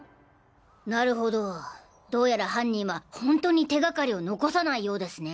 なるほどどうやら犯人は本当に手がかりを残さないようですね。